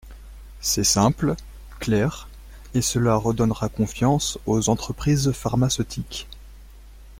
C’est simple, clair et cela redonnera confiance aux entreprises pharmaceutiques.